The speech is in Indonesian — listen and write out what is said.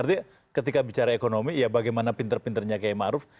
artinya ketika bicara ekonomi ya bagaimana pinter pinternya kay ma'ruf